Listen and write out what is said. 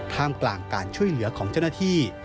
ท่ามกลางการช่วยเหลือของเจ้าหน้าที่